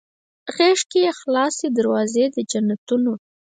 غیږ کې یې خلاصې دروازې د جنتونه